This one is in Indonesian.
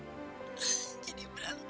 kita harus bersyukur